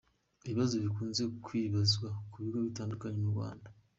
Ibibazo bikunze kwibazwa kubigo bitandunye m’u rwanda